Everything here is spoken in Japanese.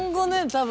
多分。